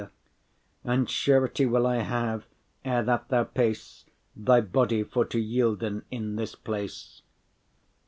*satisfactory And surety will I have, ere that thou pace,* *go Thy body for to yielden in this place.